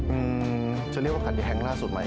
จะเรียกว่าขัดแย้งล่าสุดไหม